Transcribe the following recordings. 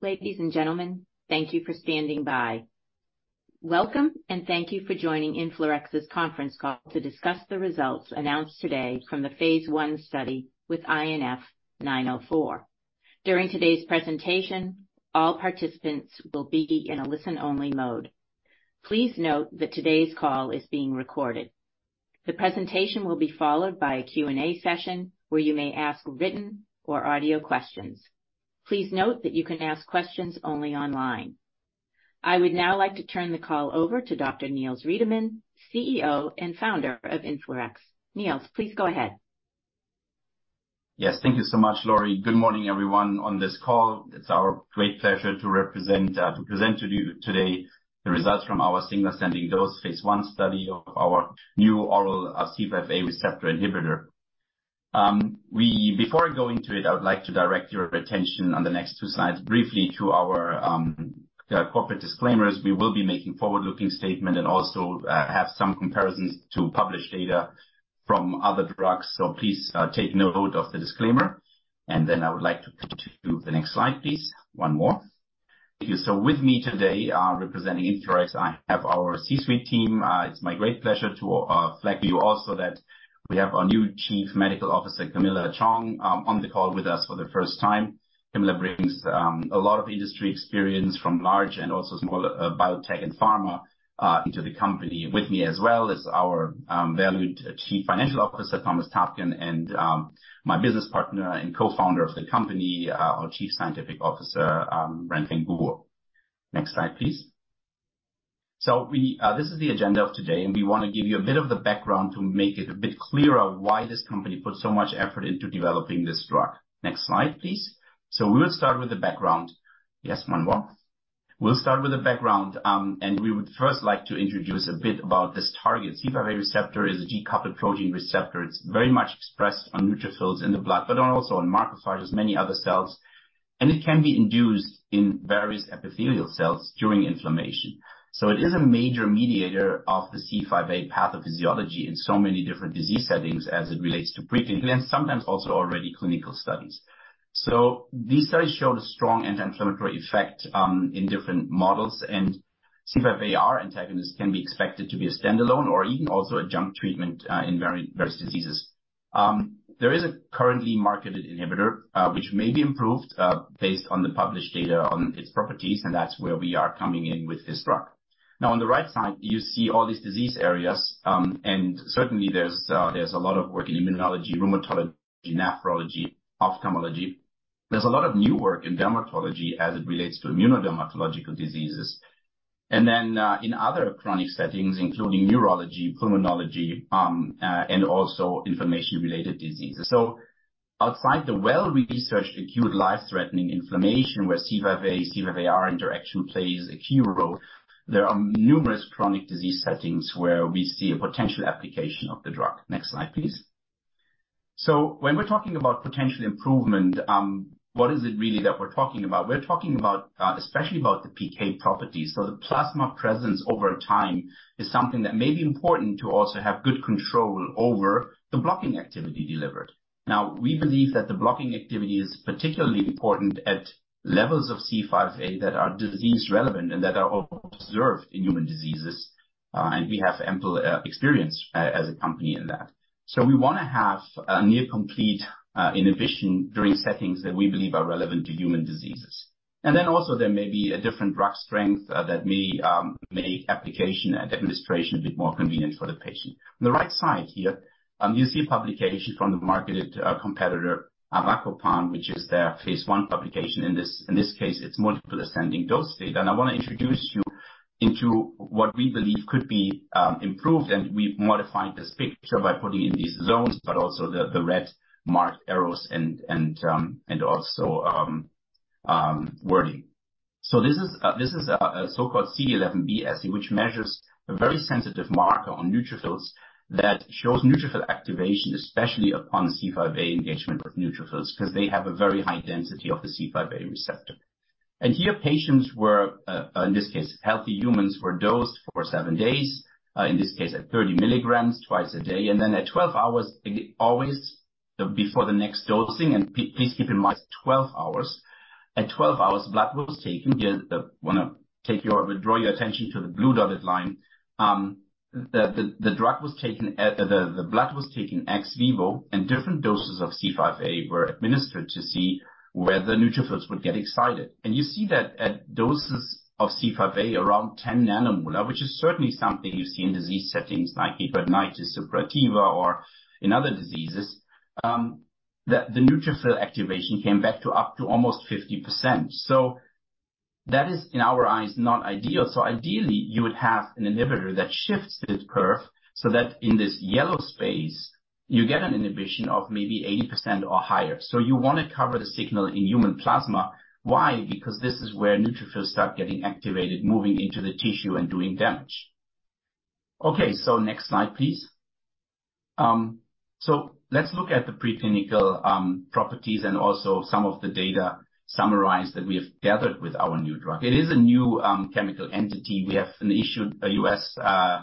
Ladies and gentlemen, thank you for standing by. Welcome, and thank you for joining InflaRx's conference call to discuss the results announced today from the phase I study with INF904. During today's presentation, all participants will be in a listen-only mode. Please note that today's call is being recorded. The presentation will be followed by a Q&A session, where you may ask written or audio questions. Please note that you can ask questions only online. I would now like to turn the call over to Dr. Niels Riedemann, CEO and founder of InflaRx. Niels, please go ahead. Yes, thank you so much, Laurie. Good morning, everyone on this call. It's our great pleasure to represent to present to you today the results from our single-ascending dose phase I study of our new oral C5a receptor inhibitor. Before I go into it, I would like to direct your attention on the next two slides briefly to our corporate disclaimers. We will be making forward-looking statement and also have some comparisons to published data from other drugs. So please take note of the disclaimer, and then I would like to continue the next slide, please. One more. So with me today representing InflaRx, I have our C-suite team. It's my great pleasure to flag you also that we have our new Chief Medical Officer, Camilla Chong, on the call with us for the first time. Camilla brings a lot of industry experience from large and also small biotech and pharma into the company. With me as well is our valued Chief Financial Officer, Thomas Taapken, and my business partner and co-founder of the company, our Chief Scientific Officer, Renfeng Guo. Next slide, please. So this is the agenda of today, and we want to give you a bit of the background to make it a bit clearer why this company put so much effort into developing this drug. Next slide, please. So we'll start with the background. Yes, one more. We'll start with the background, and we would first like to introduce a bit about this target. C5a receptor is a G protein-coupled receptor It's very much expressed on neutrophils in the blood, but also on macrophages, many other cells, and it can be induced in various epithelial cells during inflammation. So it is a major mediator of the C5a pathophysiology in so many different disease settings as it relates to preclinical and sometimes also already clinical studies. So these studies showed a strong anti-inflammatory effect in different models, and C5aR antagonists can be expected to be a standalone or even also adjunct treatment in various diseases. There is a currently marketed inhibitor which may be improved based on the published data on its properties, and that's where we are coming in with this drug. Now, on the right side, you see all these disease areas, and certainly there's a lot of work in immunology, rheumatology, nephrology, ophthalmology. There's a lot of new work in dermatology as it relates to immunodermatological diseases, and then in other chronic settings, including neurology, pulmonology, and also inflammation-related diseases. So outside the well-researched, acute, life-threatening inflammation, where C5a, C5aR interaction plays a key role, there are numerous chronic disease settings where we see a potential application of the drug. Next slide, please. So when we're talking about potential improvement, what is it really that we're talking about? We're talking about, especially about the PK properties. So the plasma presence over time is something that may be important to also have good control over the blocking activity delivered. Now, we believe that the blocking activity is particularly important at levels of C5a that are disease-relevant and that are observed in human diseases, and we have ample experience as a company in that. So we want to have a near complete inhibition during settings that we believe are relevant to human diseases. And then also there may be a different drug strength that may make application and administration a bit more convenient for the patient. On the right side here, you see a publication from the marketed competitor, avacopan, which is their phase I publication. In this case, it's multiple ascending dose data. And I want to introduce you into what we believe could be improved. And we've modified this picture by putting in these zones, but also the red marked arrows and also wording. So this is a so-called CD11b, which measures a very sensitive marker on neutrophils that shows neutrophil activation, especially upon C5a engagement with neutrophils, 'cause they have a very high density of the C5a receptor. And here, patients were, in this case, healthy humans were dosed for seven days, in this case at 30 milligrams twice a day, and then at 12 hours, always before the next dosing. And please keep in mind, 12 hours. At 12 hours, blood was taken. Here, I wanna take your--draw your attention to the blue dotted line. The drug was taken, the blood was taken ex vivo, and different doses of C5a were administered to see whether neutrophils would get excited. And you see that at doses of C5a, around 10 nanomolar, which is certainly something you see in disease settings like hidradenitis suppurativa, or in other diseases, the neutrophil activation came back to up to almost 50%. So that is, in our eyes, not ideal. So ideally, you would have an inhibitor that shifts this curve so that in this yellow space, you get an inhibition of maybe 80% or higher. So you want to cover the signal in human plasma. Why? Because this is where neutrophils start getting activated, moving into the tissue and doing damage. Okay, so next slide, please. So let's look at the preclinical properties and also some of the data summarized that we have gathered with our new drug. It is a new chemical entity. We have issued a U.S., uh-...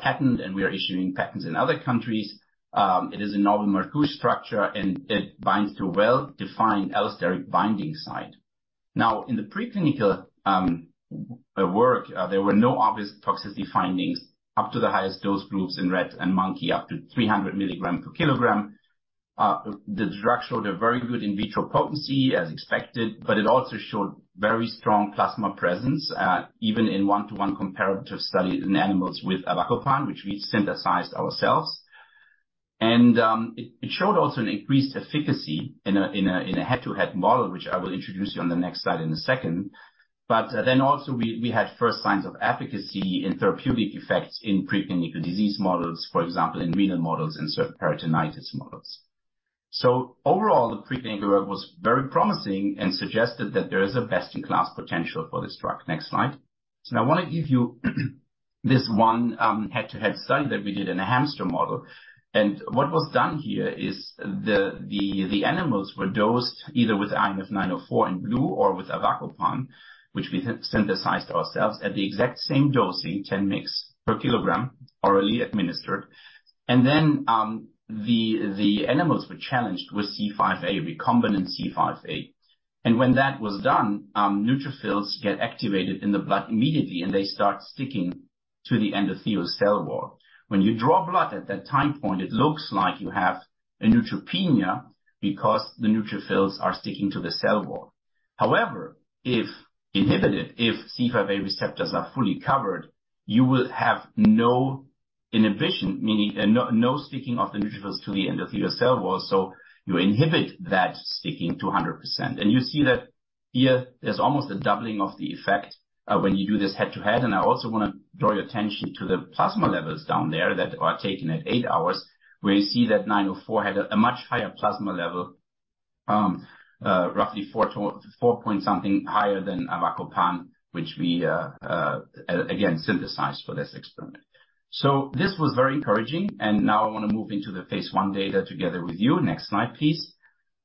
Patent, and we are issuing patents in other countries. It is a novel Markush structure, and it binds to a well-defined allosteric binding site. Now, in the preclinical work, there were no obvious toxicity findings up to the highest dose groups in rat and monkey, up to 300 milligrams per kilogram. The drug showed a very good in vitro potency, as expected, but it also showed very strong plasma presence, even in one-to-one comparative studies in animals with avacopan, which we synthesized ourselves. And, it showed also an increased efficacy in a head-to-head model, which I will introduce you on the next slide in a second. But then also we had first signs of efficacy in therapeutic effects in preclinical disease models, for example, in renal models and certain peritonitis models. So overall, the preclinical work was very promising and suggested that there is a best-in-class potential for this drug. Next slide. So I want to give you this one head-to-head study that we did in a hamster model. And what was done here is the animals were dosed either with INF904 in blue or with avacopan, which we synthesized ourselves at the exact same dosing, 10 mg per kilogram, orally administered. And then the animals were challenged with C5a, recombinant C5a. And when that was done, neutrophils get activated in the blood immediately, and they start sticking to the endothelial cell wall. When you draw blood at that time point, it looks like you have a neutropenia because the neutrophils are sticking to the cell wall. However, if inhibited, if C5a receptors are fully covered, you will have no inhibition, meaning, no, no sticking of the neutrophils to the endothelial cell wall, so you inhibit that sticking to 100%. And you see that here, there's almost a doubling of the effect, when you do this head-to-head. And I also want to draw your attention to the plasma levels down there that are taken at eight hours, where you see that INF904 had a much higher plasma level, roughly four to four point something higher than avacopan, which we again, synthesized for this experiment. So this was very encouraging, and now I want to move into the phase I data together with you. Next slide, please.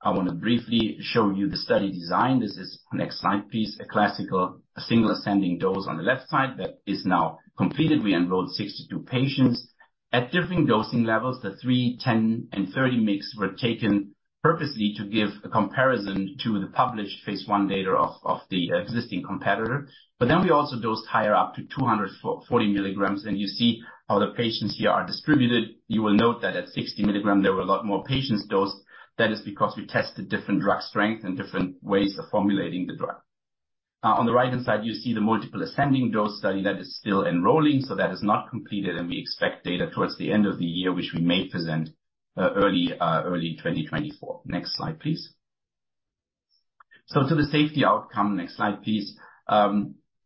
I want to briefly show you the study design. This is, next slide, please. A classical, single ascending dose on the left side that is now completed. We enrolled 62 patients at different dosing levels. The three, 10, and 30 mg were taken purposely to give a comparison to the published phase one data of the existing competitor. But then we also dosed higher, up to 240 milligrams, and you see how the patients here are distributed. You will note that at 60 mg, there were a lot more patients dosed. That is because we tested different drug strength and different ways of formulating the drug. On the right-hand side, you see the multiple ascending dose study that is still enrolling, so that is not completed, and we expect data towards the end of the year, which we may present early 2024. Next slide, please. So to the safety outcome, next slide, please.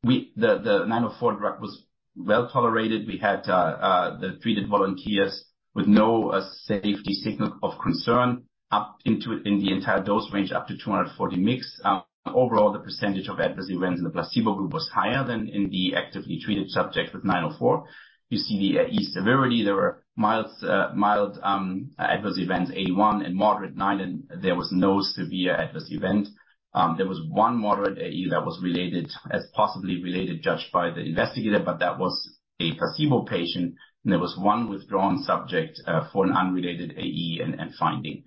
We... The INF904 drug was well tolerated. We had the treated volunteers with no safety signal of concern up to in the entire dose range up to 240 mg. Overall, the percentage of adverse events in the placebo group was higher than in the actively treated subjects with INF904. You see the AE severity. There were mild adverse events, one and moderate, nine, and there was no severe adverse event. There was one moderate AE that was related, possibly related, judged by the investigator, but that was a placebo patient, and there was one withdrawn subject for an unrelated AE and finding.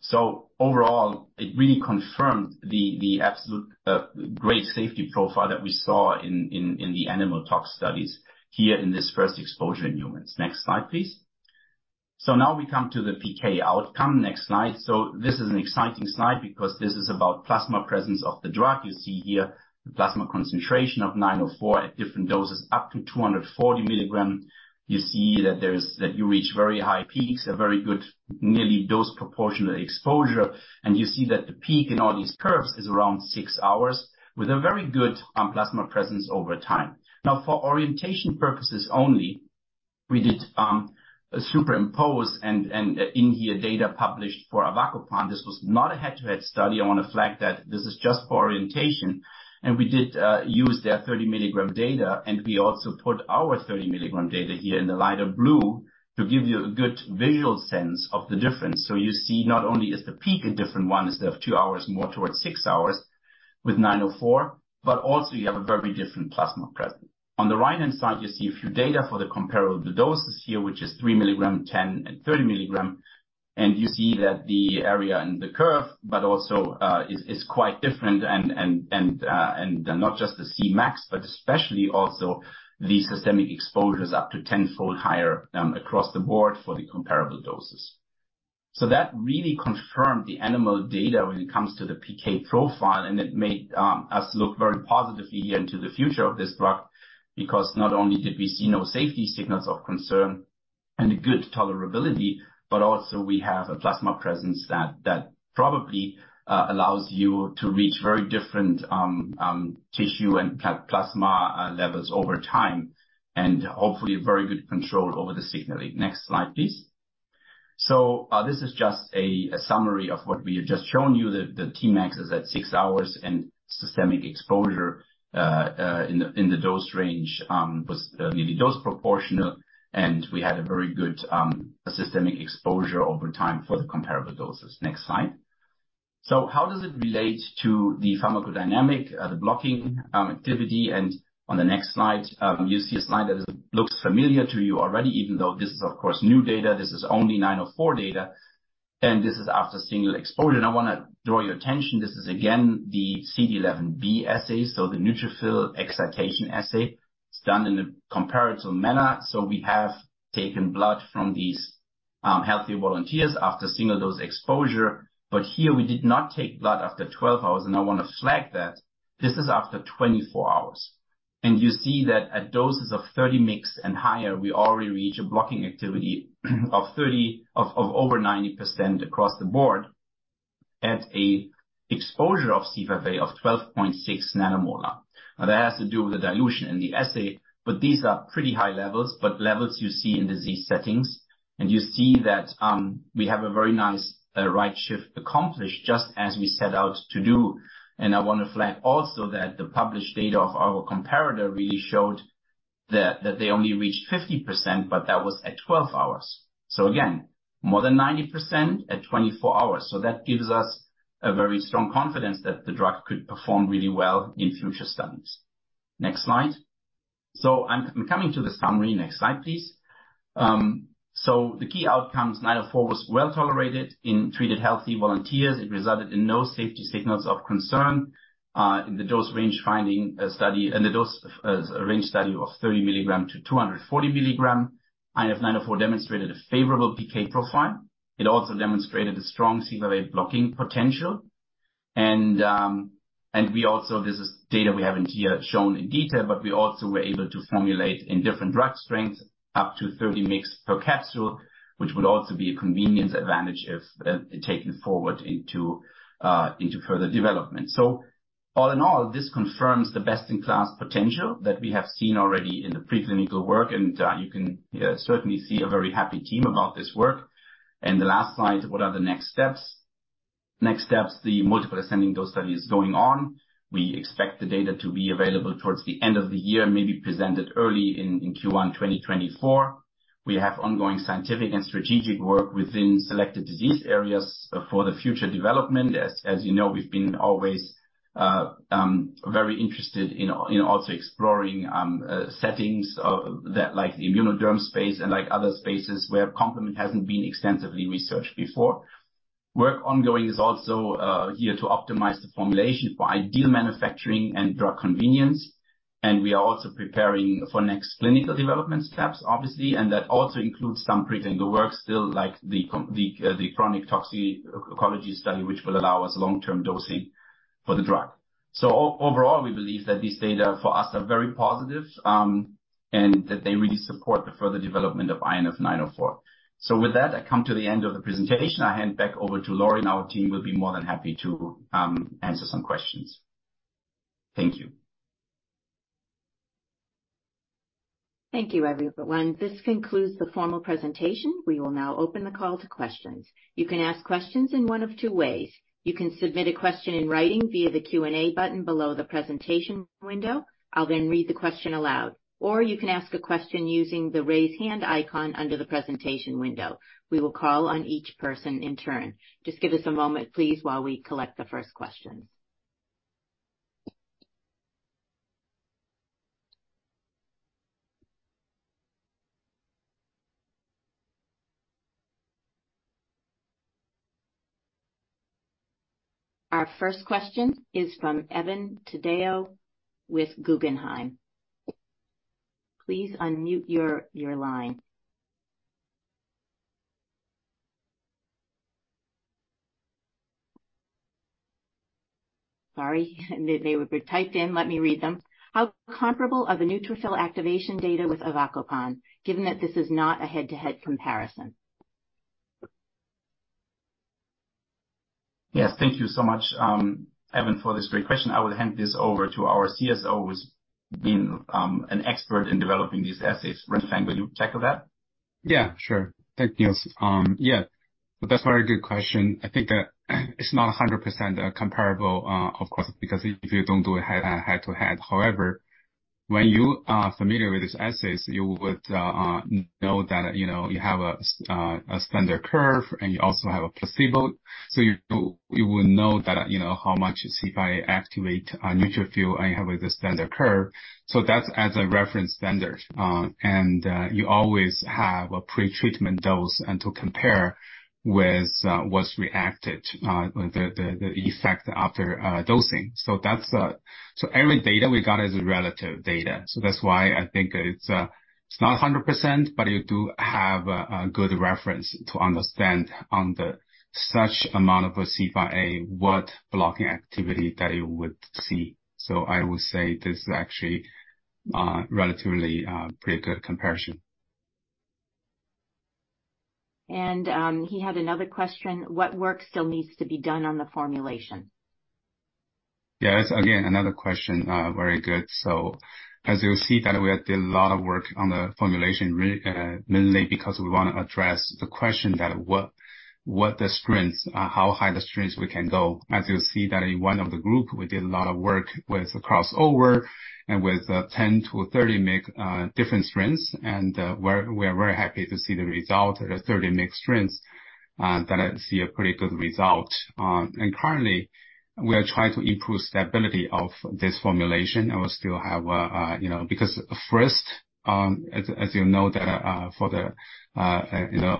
So overall, it really confirmed the absolute great safety profile that we saw in the animal tox studies here in this first exposure in humans. Next slide, please. So now we come to the PK outcome. Next slide. So this is an exciting slide because this is about plasma presence of the drug. You see here, the plasma concentration of 904 at different doses, up to 240 milligrams. You see that you reach very high peaks, a very good, nearly dose proportional exposure. And you see that the peak in all these curves is around six hours, with a very good plasma presence over time. Now, for orientation purposes only, we did a superimposed, and in here, data published for avacopan. This was not a head-to-head study. I want to flag that this is just for orientation, and we did use their 30-milligram data, and we also put our 30-milligram data here in the lighter blue to give you a good visual sense of the difference. So you see, not only is the peak a different one, instead of two hours, more towards 6 hours with 904, but also you have a very different plasma presence. On the right-hand side, you see a few data for the comparable doses here, which is 3 milligrams, 10, and 30 milligrams. And you see that the area in the curve, but also is quite different and not just the Cmax, but especially also the systemic exposure is up to 10-fold higher, across the board for the comparable doses. So that really confirmed the animal data when it comes to the PK profile, and it made us look very positively into the future of this drug, because not only did we see no safety signals of concern and a good tolerability, but also we have a plasma presence that probably allows you to reach very different tissue and plasma levels over time, and hopefully a very good control over the signaling. Next slide, please. So this is just a summary of what we have just shown you. The Tmax is at six hours, and systemic exposure in the dose range was really dose proportional, and we had a very good systemic exposure over time for the comparable doses. Next slide. So how does it relate to the pharmacodynamic, the blocking activity? On the next slide, you see a slide that looks familiar to you already, even though this is, of course, new data. This is only INF904 data, and this is after single exposure. I want to draw your attention, this is again the CD11b assay, so the neutrophil excitation assay. It's done in a comparative manner, so we have taken blood from these healthy volunteers after single-dose exposure. But here we did not take blood after 12 hours, and I want to flag that this is after 24 hours. You see that at doses of 30 mg and higher, we already reach a blocking activity of over 90% across the board at a exposure of C5a of 12.6 nanomolar. Now, that has to do with the dilution in the assay, but these are pretty high levels, but levels you see in disease settings. And you see that, we have a very nice, right shift accomplished just as we set out to do. And I want to flag also that the published data of our comparator really showed that they only reached 50%, but that was at 12 hours. So again, more than 90% at 24 hours. So that gives us a very strong confidence that the drug could perform really well in future studies. Next slide. So I'm coming to the summary. Next slide, please. So the key outcomes, INF904, was well tolerated in treated healthy volunteers. It resulted in no safety signals of concern, in the dose range-finding study. In the dose range study of 30 milligram to 240 milligram, INF904 demonstrated a favorable PK profile. It also demonstrated a strong C5a blocking potential. And, and we also, this is data we haven't here shown in detail, but we also were able to formulate in different drug strengths, up to 30 mg per capsule, which would also be a convenience advantage if taken forward into into further development. So all in all, this confirms the best-in-class potential that we have seen already in the preclinical work, and, you can, certainly see a very happy team about this work. And the last slide, what are the next steps? Next steps, the multiple ascending dose study is going on. We expect the data to be available towards the end of the year, maybe presented early in, in Q1 2024. We have ongoing scientific and strategic work within selected disease areas for the future development. As you know, we've been always very interested in also exploring settings of that, like, the immunoderm space and like other spaces where complement hasn't been extensively researched before. Work ongoing is also here to optimize the formulation for ideal manufacturing and drug convenience. And we are also preparing for next clinical development steps, obviously, and that also includes some preclinical work still, like the chronic toxicology study, which will allow us long-term dosing for the drug. So overall, we believe that these data, for us, are very positive, and that they really support the further development of INF904. So with that, I come to the end of the presentation. I hand back over to Laurie. Our team will be more than happy to answer some questions. Thank you. Thank you, everyone. This concludes the formal presentation. We will now open the call to questions. You can ask questions in one of two ways. You can submit a question in writing via the Q&A button below the presentation window. I'll then read the question aloud. Or you can ask a question using the Raise Hand icon under the presentation window. We will call on each person in turn. Just give us a moment, please, while we collect the first questions. Our first question is from Evan Tadeo with Guggenheim. Please unmute your line. Sorry, they were typed in. Let me read them. How comparable are the neutrophil activation data with avacopan, given that this is not a head-to-head comparison? Yes, thank you so much, Evan, for this great question. I will hand this over to our CSO, who's been an expert in developing these assays. Renfeng, will you tackle that? Yeah, sure. Thank you. Yeah, that's a very good question. I think that it's not 100%, comparable, of course, because if you don't do a head-to-head. However, when you are familiar with these assays, you would know that, you know, you have a standard curve, and you also have a placebo. So you will know that, you know, how much C5a activate a neutrophil and you have with the standard curve. So that's as a reference standard, and you always have a pretreatment dose and to compare with what's reacted, the effect after dosing. So that's... So every data we got is relative data, so that's why I think it's not 100%, but you do have a good reference to understand on the such amount of a C5a, what blocking activity that you would see. So I would say this is actually relatively pretty good comparison. He had another question: What work still needs to be done on the formulation?... Yeah, that's again another question. Very good. So as you'll see that we have did a lot of work on the formulation, mainly because we want to address the question that what the strengths, how high the strengths we can go. As you'll see that in one of the group, we did a lot of work with the crossover and with 10-30 mg different strengths, and we're very happy to see the result at a 30 mg strength, that I see a pretty good result. And currently, we are trying to improve stability of this formulation, and we still have, you know, because first, as you know, that, for the, you know,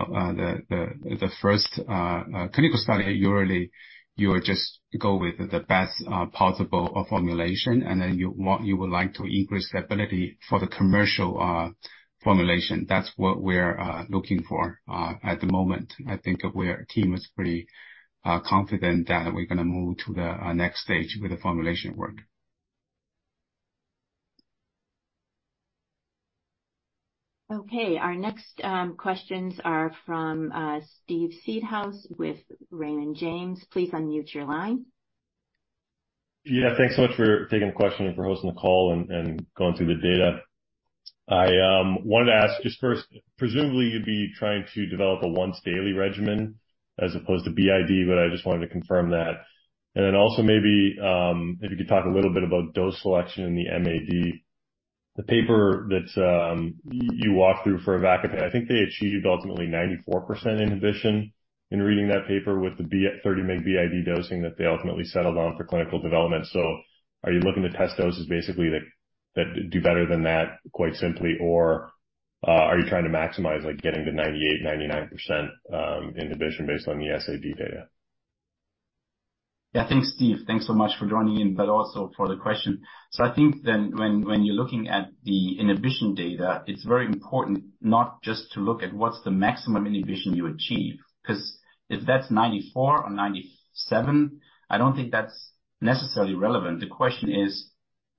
the first clinical study, you really, you just go with the best possible formulation, and then you want—you would like to increase the ability for the commercial formulation. That's what we're looking for at the moment. I think our team is pretty confident that we're going to move to the next stage with the formulation work. Okay. Our next questions are from Steve Seedhouse with Raymond James. Please unmute your line. Yeah, thanks so much for taking the question and for hosting the call and, and going through the data. I wanted to ask just first, presumably you'd be trying to develop a once daily regimen as opposed to BID, but I just wanted to confirm that. And then also maybe if you could talk a little bit about dose selection in the MAD. The paper that you walked through for avacopan, I think they achieved ultimately 94% inhibition in reading that paper with the thirty mg BID dosing that they ultimately settled on for clinical development. So are you looking to test doses basically that do better than that, quite simply? Or are you trying to maximize, like getting to 98%, 99% inhibition based on the SAD data? Yeah. Thanks, Steve. Thanks so much for joining in, but also for the question. So I think then when you're looking at the inhibition data, it's very important not just to look at what's the maximum inhibition you achieve, 'cause if that's 94 or 97, I don't think that's necessarily relevant. The question is,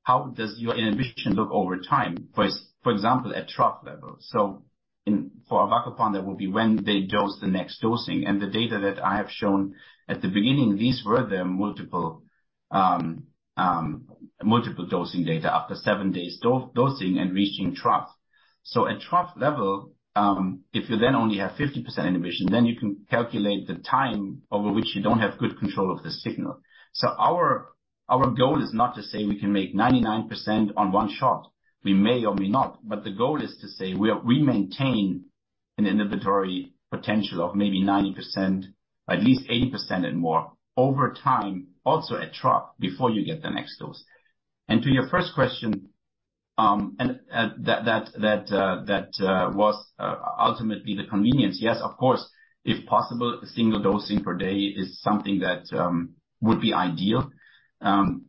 how does your inhibition look over time, for example, at trough level? So for avacopan, that would be when they dose the next dosing. And the data that I have shown at the beginning, these were the multiple dosing data after 7 days dosing and reaching trough. So at trough level, if you then only have 50% inhibition, then you can calculate the time over which you don't have good control of the signal. So our goal is not to say we can make 99% on one shot. We may or may not, but the goal is to say we maintain an inhibitory potential of maybe 90%, at least 80% and more over time, also at trough, before you get the next dose. To your first question, that was ultimately the convenience. Yes, of course, if possible, a single dosing per day is something that would be ideal.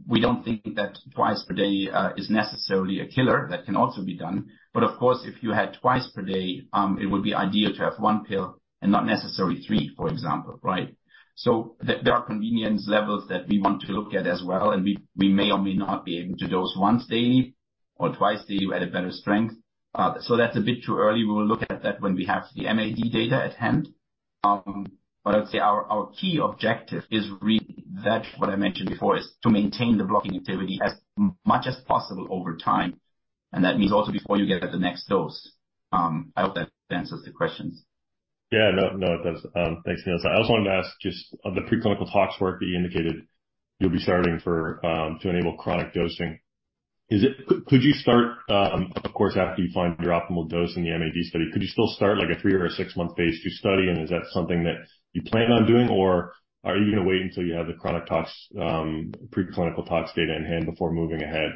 We don't think that twice per day is necessarily a killer. That can also be done. But of course, if you had twice per day, it would be ideal to have one pill and not necessarily three, for example, right? So there are convenience levels that we want to look at as well, and we may or may not be able to dose once daily or twice daily at a better strength. So that's a bit too early. We will look at that when we have the MAD data at hand. But I would say our key objective is really that what I mentioned before, is to maintain the blocking activity as much as possible over time, and that means also before you get the next dose. I hope that answers the questions. Yeah. No, no, it does. Thanks, Niels. I also wanted to ask just on the preclinical tox work that you indicated you'll be starting for to enable chronic dosing. Could you start, of course, after you find your optimal dose in the MAD study, could you still start, like, a three or a six-month phase II study? And is that something that you plan on doing, or are you going to wait until you have the chronic tox, preclinical tox data in hand before moving ahead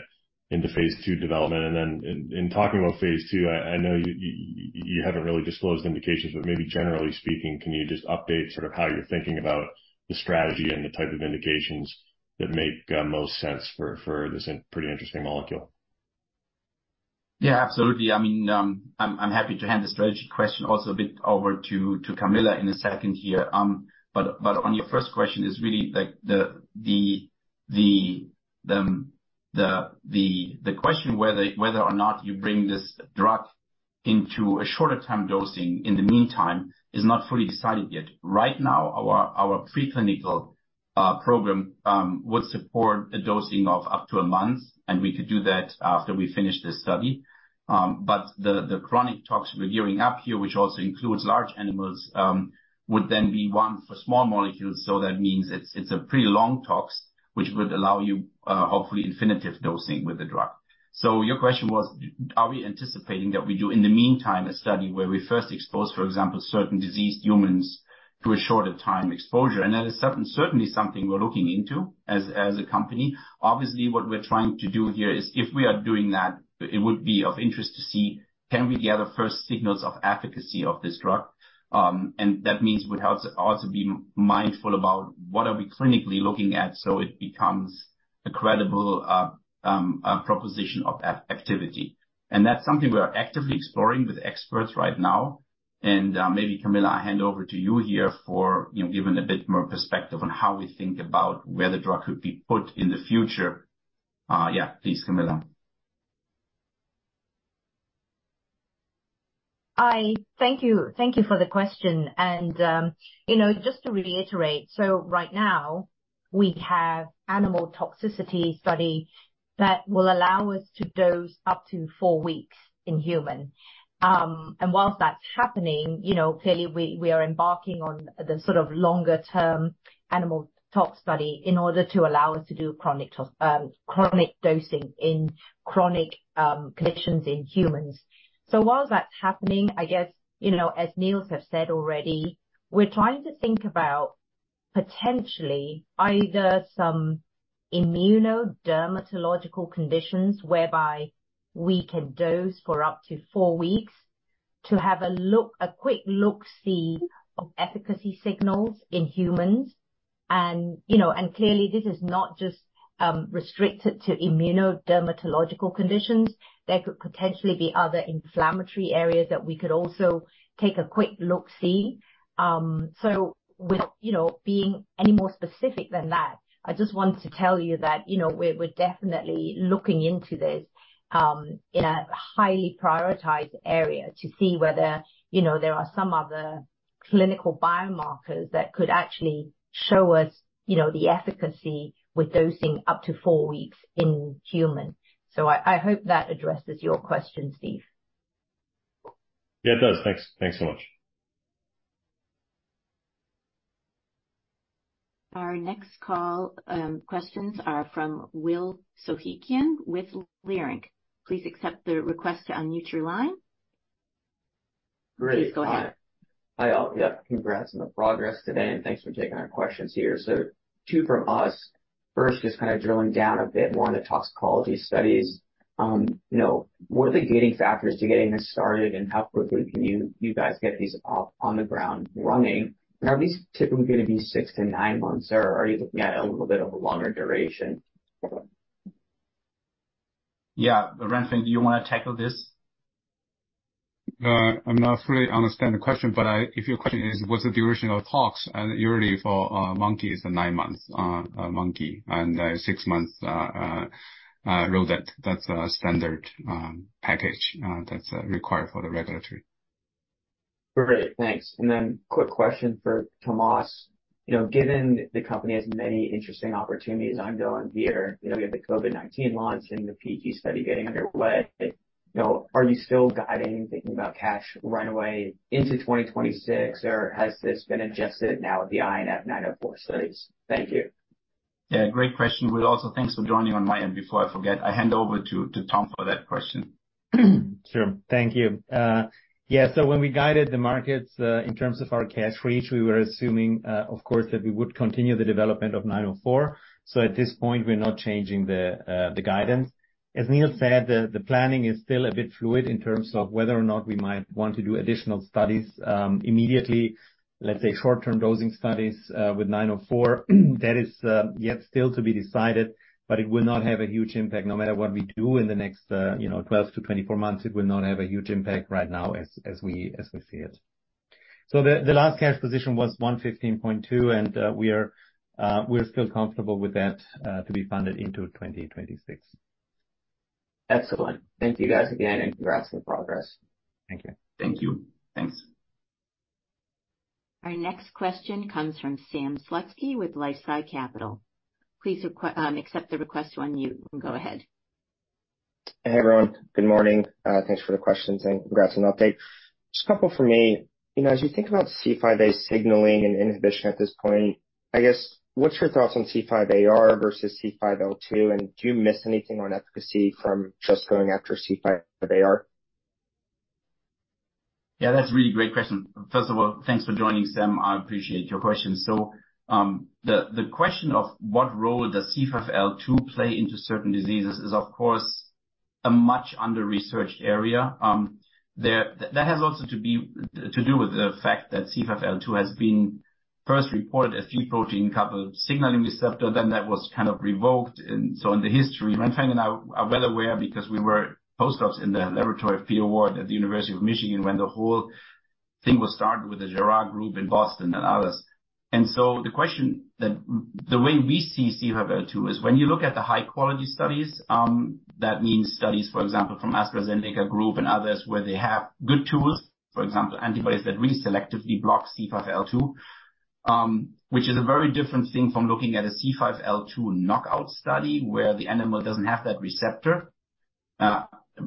into phase II development? And then in talking about phase II, I know you haven't really disclosed indications, but maybe generally speaking, can you just update sort of how you're thinking about the strategy and the type of indications that make most sense for this pretty interesting molecule? Yeah, absolutely. I mean, I'm happy to hand the strategy question also a bit over to Camilla in a second here. But on your first question is really like the question whether or not you bring this drug into a shorter time dosing in the meantime is not fully decided yet. Right now, our preclinical program would support a dosing of up to a month, and we could do that after we finish this study. But the chronic tox we're gearing up here, which also includes large animals, would then be one for small molecules. So that means it's a pretty long tox, which would allow you, hopefully infinite dosing with the drug. So your question was, are we anticipating that we do, in the meantime, a study where we first expose, for example, certain diseased humans to a shorter time exposure? And that is certainly something we're looking into as a company. Obviously, what we're trying to do here is if we are doing that, it would be of interest to see can we gather first signals of efficacy of this drug? And that means we have to also be mindful about what are we clinically looking at, so it becomes a credible proposition of activity. And that's something we are actively exploring with experts right now. And maybe, Camilla, I hand over to you here for, you know, giving a bit more perspective on how we think about where the drug could be put in the future. Yeah, please, Camilla. ... I, thank you. Thank you for the question. You know, just to reiterate, so right now, we have animal toxicity study that will allow us to dose up to four weeks in human. And while that's happening, you know, clearly we, we are embarking on the sort of longer-term animal tox study in order to allow us to do chronic to chronic dosing in chronic conditions in humans. So while that's happening, I guess, you know, as Niels have said already, we're trying to think about potentially either some immunodermatological conditions whereby we can dose for up to four weeks to have a look, a quick look-see of efficacy signals in humans. You know, and clearly this is not just restricted to immunodermatological conditions. There could potentially be other inflammatory areas that we could also take a quick look-see. So without, you know, being any more specific than that, I just wanted to tell you that, you know, we're definitely looking into this in a highly prioritized area, to see whether, you know, there are some other clinical biomarkers that could actually show us, you know, the efficacy with dosing up to four weeks in human. So I hope that addresses your question, Steve. Yeah, it does. Thanks. Thanks so much. Our next call, questions are from Will Soghikian with Leerink. Please accept the request to unmute your line. Great. Please go ahead. Hi, all. Yeah, congrats on the progress today, and thanks for taking our questions here. So two from us. First, just kind of drilling down a bit more on the toxicology studies. You know, what are the gating factors to getting this started, and how quickly can you, you guys get these up on the ground running? And are these typically going to be six to nine months, or are you looking at a little bit of a longer duration? Yeah, Renfeng, do you want to tackle this? I'm not fully understand the question, but if your question is, what's the duration of the talks, usually for monkey, it's nine months, and six months rodent. That's a standard package that's required for the regulatory. Great, thanks. Then quick question for Thomas. You know, given the company has many interesting opportunities ongoing here, you know, we have the COVID-19 launch and the PG study getting underway. You know, are you still guiding, thinking about cash runway into 2026, or has this been adjusted now with the INF904 studies? Thank you. Yeah, great question, Will. Also, thanks for joining on my end before I forget. I hand over to Tom for that question. Sure. Thank you. Yeah, so when we guided the markets, in terms of our cash reach, we were assuming, of course, that we would continue the development of 904. So at this point, we're not changing the guidance. As Niels said, the planning is still a bit fluid in terms of whether or not we might want to do additional studies, immediately, let's say, short-term dosing studies, with nine oh four. That is, yet still to be decided, but it will not have a huge impact. No matter what we do in the next, you know, 12-24 months, it will not have a huge impact right now, as we see it. So the last cash position was $115.2 million, and we're still comfortable with that to be funded into 2026. Excellent. Thank you, guys, again, and congrats on the progress. Thank you. Thank you. Thanks. Our next question comes from Sam Slutsky with LifeSci Capital. Please accept the request to unmute. Go ahead. Hey, everyone. Good morning. Thanks for the questions, and congrats on the update. Just a couple from me. You know, as you think about C5a signaling and inhibition at this point, I guess, what's your thoughts on C5aR versus C5L2, and do you miss anything on efficacy from just going after C5aR? Yeah, that's a really great question. First of all, thanks for joining, Sam. I appreciate your question. So, the question of what role does C5L2 play into certain diseases is, of course, a much under-researched area. That has also to be, to do with the fact that C5L2 has been first reported as G protein-coupled signaling receptor, then that was kind of revoked. And so in the history, Renfeng and I are well aware because we were postdocs in the laboratory of P. Ward at the University of Michigan, when the whole thing was started with the Gerard group in Boston and others. And so the question that. The way we see C5L2 is when you look at the high-quality studies, that means studies, for example, from AstraZeneca group and others, where they have good tools, for example, antibodies that really selectively block C5L2. Which is a very different thing from looking at a C5L2 knockout study, where the animal doesn't have that receptor.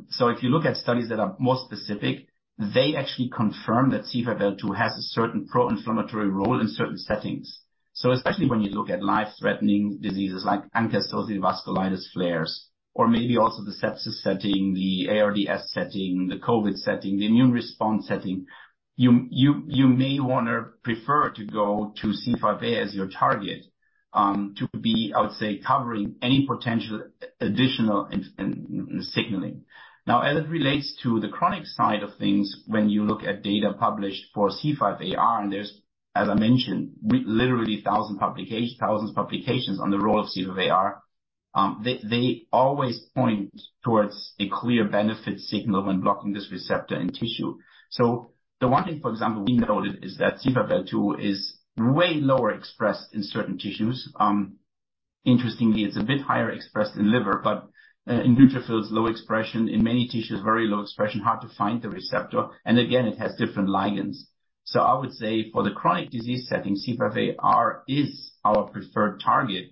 So if you look at studies that are more specific, they actually confirm that C5L2 has a certain pro-inflammatory role in certain settings. So especially when you look at life-threatening diseases like ANCA-associated vasculitis flares or maybe also the sepsis setting, the ARDS setting, the COVID setting, the immune response setting, you may want to prefer to go to C5a as your target, to be, I would say, covering any potential additional in signaling. Now, as it relates to the chronic side of things, when you look at data published for C5aR, and there's, as I mentioned, literally thousands of publications on the role of C5aR, they always point towards a clear benefit signal when blocking this receptor in tissue. So the one thing, for example, we noted is that C5L2 is way lower expressed in certain tissues. Interestingly, it's a bit higher expressed in liver, but in neutrophils, low expression. In many tissues, very low expression, hard to find the receptor, and again, it has different ligands. So I would say for the chronic disease setting, C5aR is our preferred target.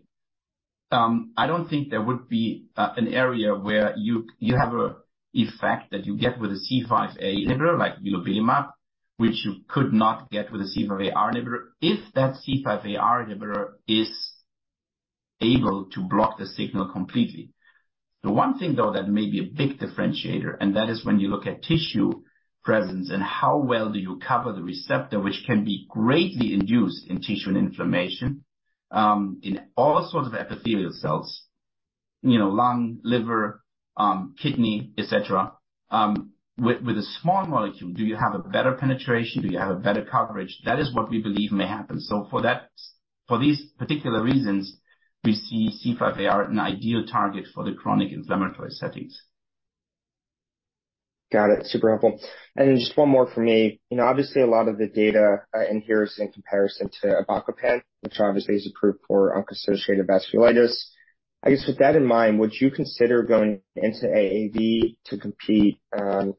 I don't think there would be an area where you have an effect that you get with a C5a inhibitor, like vilobelimab, which you could not get with a C5aR inhibitor if that C5aR inhibitor is able to block the signal completely. The one thing, though, that may be a big differentiator, and that is when you look at tissue presence and how well do you cover the receptor, which can be greatly induced in tissue and inflammation, in all sorts of epithelial cells, you know, lung, liver, kidney, et cetera. With a small molecule, do you have a better penetration? Do you have a better coverage? That is what we believe may happen. So for that, for these particular reasons, we see C5aR an ideal target for the chronic inflammatory settings. Got it. Super helpful. And just one more for me. You know, obviously, a lot of the data in here is in comparison to avacopan, which obviously is approved for ANCA-associated vasculitis. I guess, with that in mind, would you consider going into AAV to compete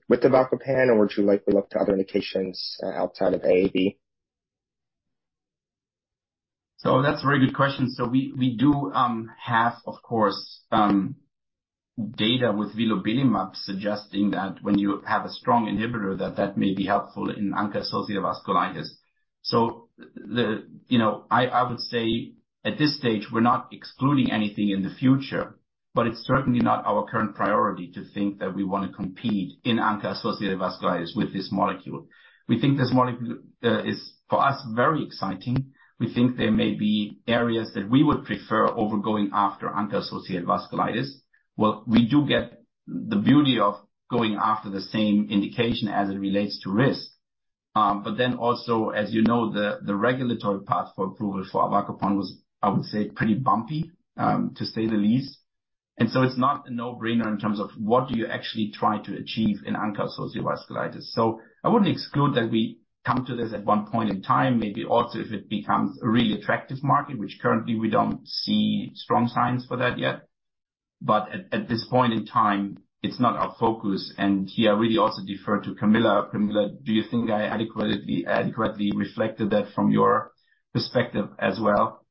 with avacopan, or would you likely look to other indications outside of AAV? So that's a very good question. So we do have, of course, data with vilobelimab suggesting that when you have a strong inhibitor, that that may be helpful in ANCA-associated vasculitis. You know, I would say at this stage, we're not excluding anything in the future, but it's certainly not our current priority to think that we want to compete in ANCA-associated vasculitis with this molecule. We think this molecule is, for us, very exciting. We think there may be areas that we would prefer over going after ANCA-associated vasculitis. Well, we do get the beauty of going after the same indication as it relates to risk. But then also, as you know, the regulatory path for approval for avacopan was, I would say, pretty bumpy, to say the least. And so it's not a no-brainer in terms of what do you actually try to achieve in ANCA-associated vasculitis. So I wouldn't exclude that we come to this at one point in time, maybe also if it becomes a really attractive market, which currently we don't see strong signs for that yet, but at this point in time, it's not our focus. And here, I really also defer to Camilla. Camilla, do you think I adequately reflected that from your perspective as well?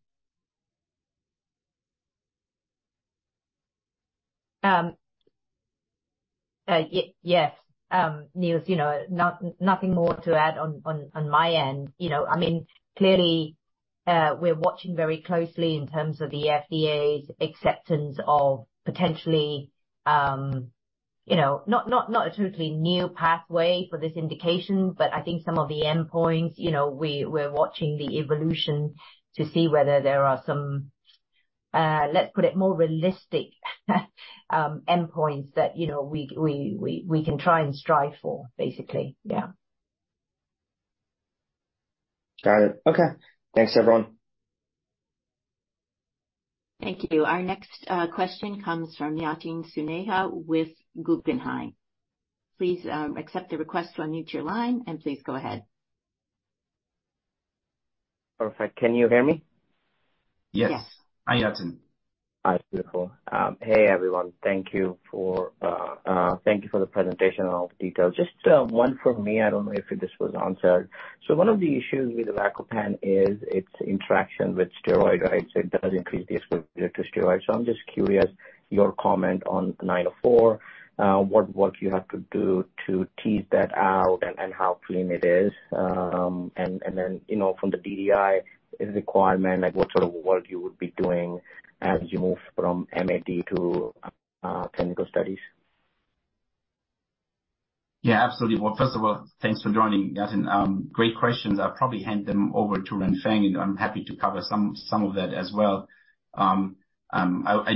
Yes, Niels, you know, nothing more to add on my end. You know, I mean, clearly, we're watching very closely in terms of the FDA's acceptance of potentially, you know, not a totally new pathway for this indication, but I think some of the endpoints, you know, we're watching the evolution to see whether there are some, let's put it, more realistic endpoints that, you know, we can try and strive for, basically. Yeah. Got it. Okay. Thanks, everyone. Thank you. Our next question comes from Yatin Suneja with Guggenheim. Please accept the request to unmute your line, and please go ahead. Perfect. Can you hear me? Yes. Yes. Hi, Yatin. Hi, beautiful. Hey, everyone. Thank you for the presentation and all the details. Just one from me. I don't know if this was answered. So one of the issues with avacopan is its interaction with steroids. It does increase the exposure to steroids. So I'm just curious, your comment on 904, what you have to do to tease that out and how clean it is. And then, you know, from the DDI requirement, like, what sort of work you would be doing as you move from MAD to clinical studies? Yeah, absolutely. Well, first of all, thanks for joining, Yatin. Great questions. I'll probably hand them over to Renfeng, and I'm happy to cover some of that as well. I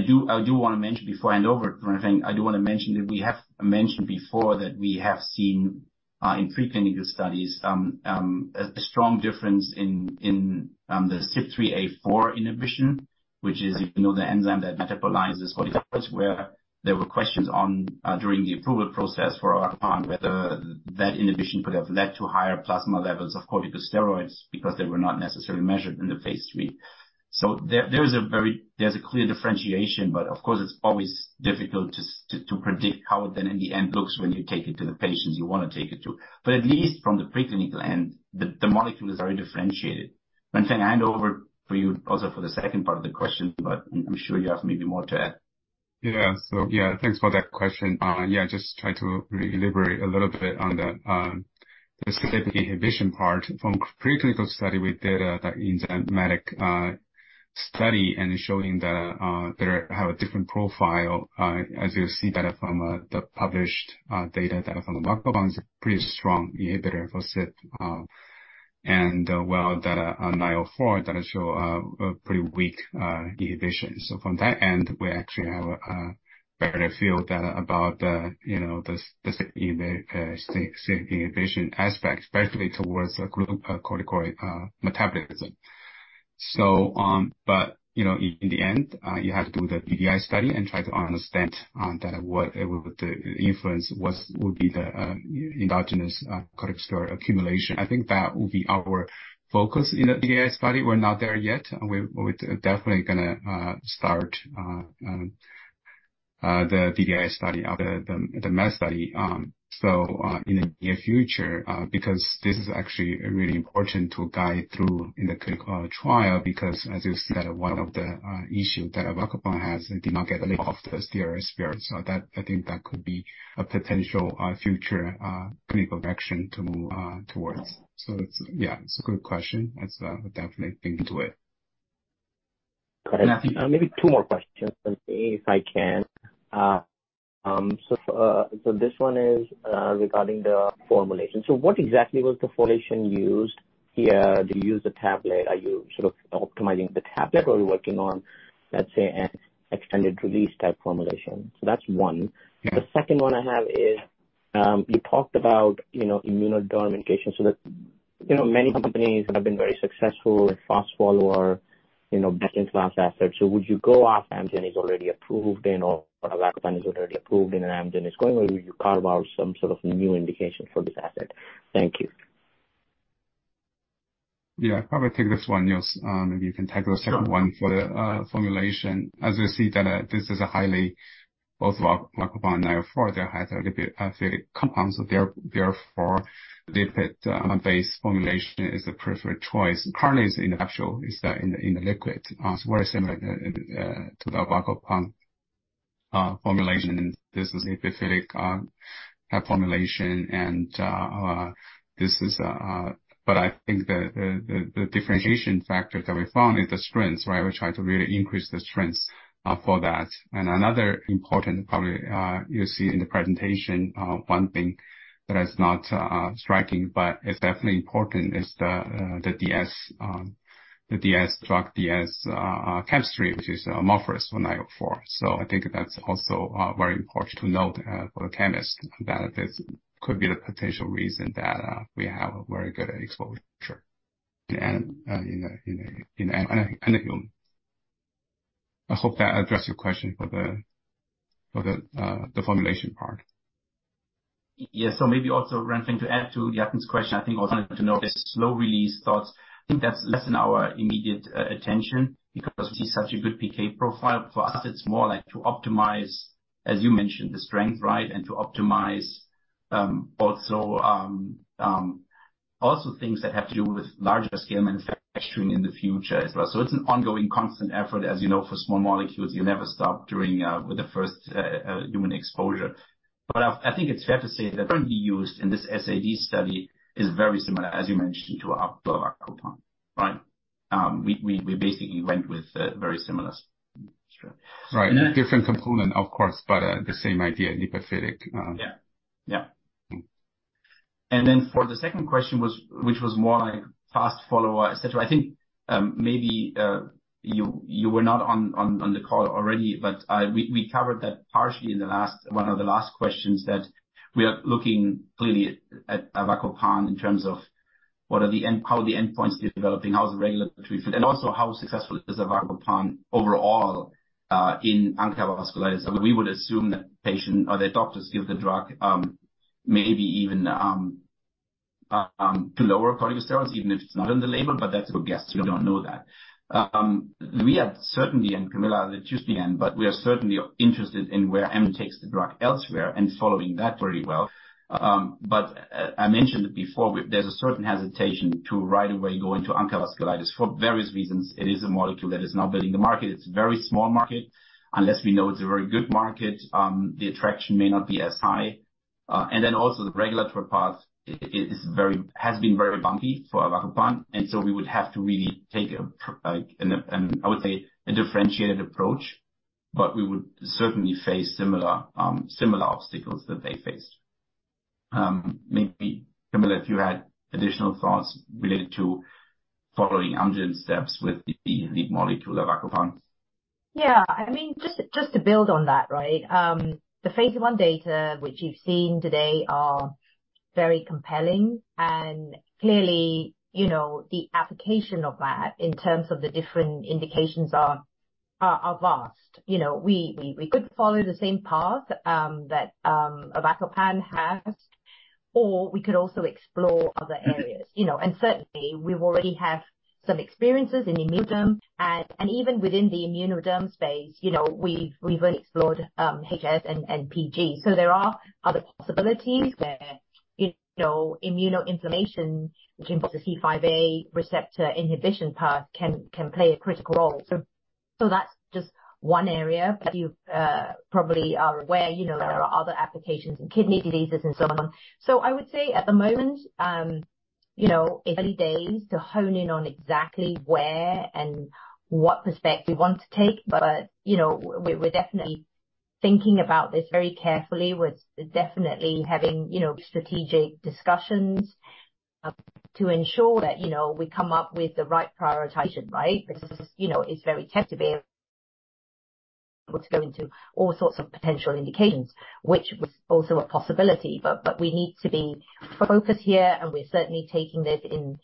do want to mention before I hand over to Renfeng that we have mentioned before that we have seen in preclinical studies a strong difference in the CYP3A4 inhibition, which is, you know, the enzyme that metabolizes prednisone, where there were questions during the approval process for avacopan whether that inhibition could have led to higher plasma levels of corticosteroids because they were not necessarily measured in phase III. So there is a very clear differentiation, but of course, it's always difficult to predict how it then in the end looks when you take it to the patients you want to take it to. But at least from the preclinical end, the molecule is very differentiated. Renfeng, I hand over to you also for the second part of the question, but I'm sure you have maybe more to add. Yeah. So yeah, thanks for that question. Yeah, just try to re-elaborate a little bit on the CYP inhibition part. From preclinical study with data, that enzymatic study, and showing that there have a different profile, as you'll see that from the published data, that from avacopan is a pretty strong inhibitor for CYP, and well, data on INF904 that show a pretty weak inhibition. So from that end, we actually have a better feel that about the, you know, the CYP CYP inhibition aspect, especially towards the glucocorticoid metabolism. So but, you know, in the end, you have to do the DDI study and try to understand that what would the influence, what would be the endogenous corticosteroid accumulation. I think that will be our focus in the DDI study. We're not there yet, and we're definitely going to start the DDI study or the phase study. So, in the near future, because this is actually really important to guide through in the clinical trial, because as you said, one of the issue that avacopan has, it did not get rid of the steroid sparing. So that, I think that could be a potential future clinical action to towards. So it's, yeah, it's a good question. That's definitely think into it. Got it. Yeah. Maybe two more questions, if I can. So this one is regarding the formulation. So what exactly was the formulation used here? Do you use the tablet? Are you sort of optimizing the tablet or are you working on, let's say, an extended release type formulation? So that's one. Yeah. The second one I have is, you talked about, you know, immunoderm indications. So that, you know, many companies have been very successful with fast follower, you know, best-in-class assets. So would you go after Amgen is already approved, and/or avacopan is already approved, and Amgen is going, or would you carve out some sort of new indication for this asset? Thank you. Yeah, I'll probably take this one, Niels. Maybe you can take the second one. Sure. For the formulation. As you see, this is a highly, both avacopan INF904, they have lipophilic compounds, so therefore, the base formulation is the preferred choice. Currently, it's actually in the liquid, so very similar to the avacopan formulation. And this is a lipophilic formulation. But I think the differentiation factor that we found is the strength, right? We try to really increase the strength for that. And another important probably, you see in the presentation, one thing that is not striking, but it's definitely important, is the DS, the DS drug, DS chemistry, which is amorphous on INF904. So I think that's also very important to note for the chemist that this could be the potential reason that we have a very good exposure in. I hope that addressed your question for the formulation part. Yes. So maybe also one thing to add to Yatin's question. I think also to note, the slow release thoughts, I think that's less in our immediate attention because we see such a good PK profile. For us, it's more like to optimize, as you mentioned, the strength, right? And to optimize things that have to do with larger scale manufacturing in the future as well. So it's an ongoing constant effort. As you know, for small molecules, you never stop during with the first human exposure. But I think it's fair to say that currently used in this SAD study is very similar, as you mentioned, to avacopan, right? We basically went with very similar structure. Right. Different component, of course, but the same idea, lipophilic. Yeah, yeah. And then for the second question was, which was more like fast follower, et cetera. I think, maybe, you, you were not on, on, on the call already, but, we, we covered that partially in the last, one of the last questions, that we are looking clearly at, at avacopan in terms of what are the end, how the endpoints developing, how is the regulatory, and also how successful is avacopan overall, in ANCA-associated vasculitis. We would assume that patient or their doctors give the drug, maybe even, to lower cholesterol, even if it's not on the label. But that's a guess. We don't know that. We are certainly, and Camilla, just the end, but we are certainly interested in where Amgen takes the drug elsewhere and following that very well. But I mentioned before, there's a certain hesitation to right away go into ANCA-associated vasculitis for various reasons. It is a molecule that is not building the market. It's a very small market. Unless we know it's a very good market, the attraction may not be as high. And then also the regulatory path is very, has been very bumpy for avacopan, and so we would have to really take a like, I would say, a differentiated approach, but we would certainly face similar, similar obstacles that they faced. Maybe, Camilla, if you had additional thoughts related to following Amgen's steps with the lead molecule, avacopan. Yeah, I mean, just, just to build on that, right? The phase one data which you've seen today are very compelling. And clearly, you know, the application of that in terms of the different indications are vast. You know, we could follow the same path that avacopan has, or we could also explore other areas. Mm-hmm. You know, and certainly we already have some experiences in immunoderm, and even within the immunoderm space, you know, we've already explored HS and PG. So there are other possibilities where, you know, immunoinflammation, which involves the C5a receptor inhibition path, can play a critical role. So that's just one area that you probably are aware, you know, there are other applications in kidney diseases and so on. So I would say at the moment, you know, early days to hone in on exactly where and what path we want to take. But, you know, we're definitely thinking about this very carefully. We're definitely having, you know, strategic discussions to ensure that, you know, we come up with the right prioritization, right? Because, you know, it's very tempting to be able to go into all sorts of potential indications, which was also a possibility. But, but we need to be focused here, and we're certainly taking this in,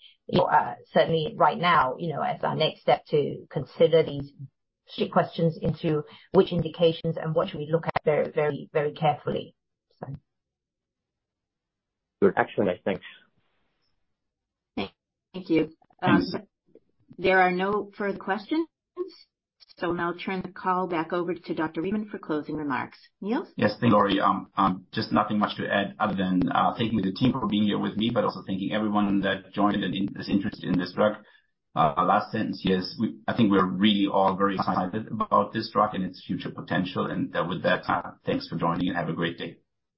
certainly right now, you know, as our next step, to consider these strategic questions into which indications and what should we look at very, very, very carefully. So. Good. Excellent, thanks. Thank you. There are no further questions, so I'll turn the call back over to Dr. Riedemann for closing remarks. Niels? Yes, thank you, Laurie. Just nothing much to add other than thanking the team for being here with me, but also thanking everyone that joined and is interested in this drug. Last sentence, yes, I think we're really all very excited about this drug and its future potential. With that, thanks for joining, and have a great day.